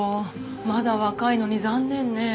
まだ若いのに残念ねぇ。